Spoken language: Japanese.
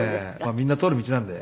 みんな通る道なので。